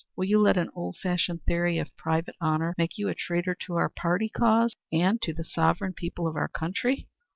Will you let an old fashioned theory of private honor make you a traitor to our party cause and to the sovereign people of our country?"